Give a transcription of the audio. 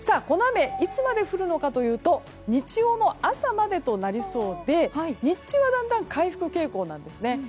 この雨いつまで降るのかというと日曜の朝までとなりそうで日中は回復傾向なんですね。